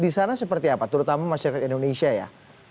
di sana seperti apa terutama masyarakat indonesia ya